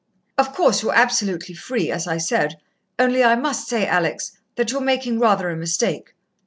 "Of course, you're absolutely free, as I said, only I must say, Alex, that you're making rather a mistake.